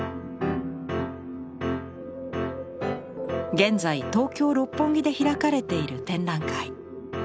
現在東京・六本木で開かれている展覧会。